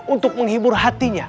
untuk menghibur hatinya